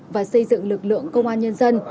và xây dựng lực lượng công an nhân dân